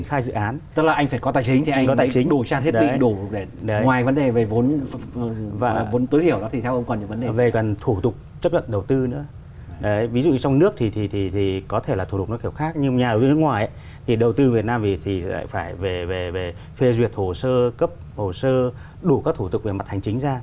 nhà đầu tư nước ngoài thì đầu tư việt nam thì phải về phê duyệt hồ sơ cấp hồ sơ đủ các thủ tục về mặt hành chính ra